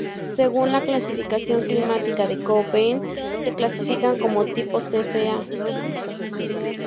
Según la clasificación climática de Köppen se clasifica como de tipo Cfa.